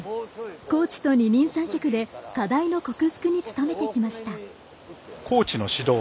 コーチと二人三脚で課題の克服に努めてきました。